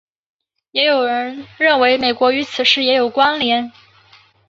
也有人认为美国与此事也有关连。